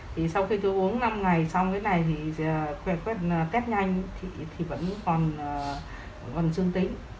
thì sau khi tôi uống năm ngày xong cái này thì khuét khuét tét nhanh thì vẫn còn còn dương tính